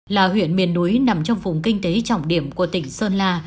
là huyện miền núi nằm trong vùng kinh tế trọng điểm của tỉnh sơn la